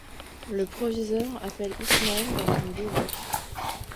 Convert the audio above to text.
Le proviseur appelle Ismael dans son bureau.